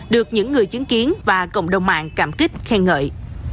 được những người chứng kiến và cộng đồng mạng cảm kích khen ngợi